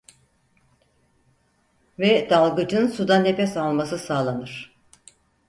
Ve dalgıcın suda nefes alması sağlanır.